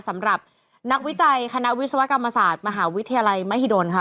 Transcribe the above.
สำหรับนักวิจัยคณะวิศวกรรมศาสตร์มหาวิทยาลัยมหิดลค่ะ